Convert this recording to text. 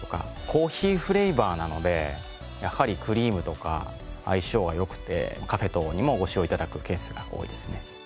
コーヒーフレーバーなのでやはりクリームとか相性は良くてカフェ等にもご使用頂くケースが多いですね。